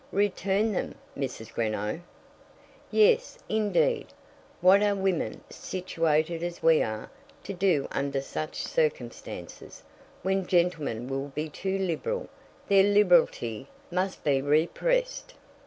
"Return them, Mrs. Greenow!" "Yes, indeed: what are women, situated as we are, to do under such circumstances? When gentlemen will be too liberal, their liberality must be repressed."